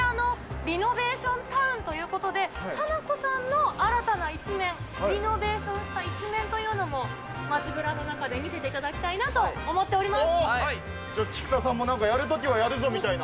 リノベーションタウンということで、ハナコさんの新たな一面、リノベーションした一面というのも、街ぶらの中で見せていただきはい、菊田さんもやるときはやるぞみたいな。